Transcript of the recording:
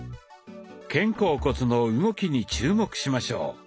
肩甲骨の動きに注目しましょう。